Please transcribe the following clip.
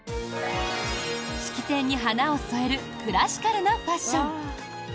式典に花を添えるクラシカルなファッション。